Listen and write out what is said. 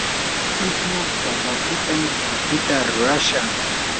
ismu papapitam apita rurashaa.